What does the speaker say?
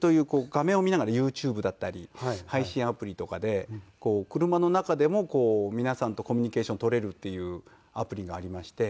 画面を見ながらＹｏｕＴｕｂｅだったり配信アプリとかで車の中でも皆さんとコミュニケーション取れるっていうアプリがありまして。